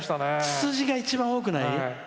ツツジが一番多くない？